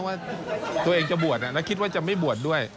ว่าตัวเองจะบวชแล้วคิดว่าจะไม่บวชด้วย